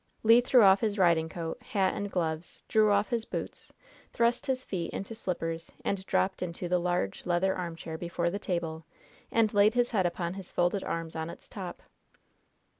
Le threw off his riding coat, hat and gloves, drew off his boots, thrust his feet into slippers, and dropped into the large, leather armchair before the table, and laid his head upon his folded arms on its top.